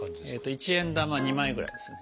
１円玉２枚ぐらいですね。